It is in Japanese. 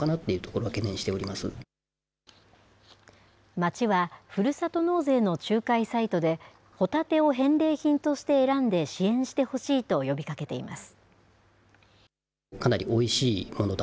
町は、ふるさと納税の仲介サイトで、ホタテを返礼品として選んで支援してほしいと呼びかけています。